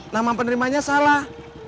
nama penerimanya salah